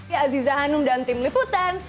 ya aziza hanum dan tim liputan